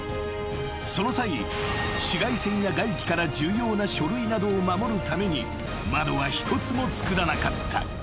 その際紫外線や外気から重要な書類などを守るために窓は一つも作らなかった］